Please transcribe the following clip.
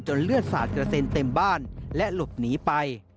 เลือดสาดกระเซ็นเต็มบ้านและหลบหนีไป